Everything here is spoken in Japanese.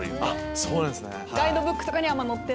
そうなんですね。